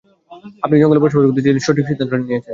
আপনি জঙ্গলে বসবাস করতে চলে গিয়ে, সঠিক সিদ্বান্তটাই নিয়েছেন।